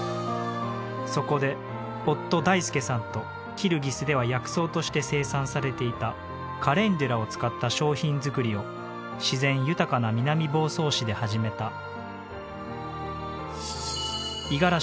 そこで夫大介さんとキルギスでは薬草として生産されていたカレンデュラを使った商品作りを自然豊かな南房総市で始めた。